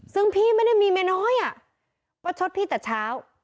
ซึ่งพี่ไม่ได้มีเมียน้อยประชดพี่แต่เช้า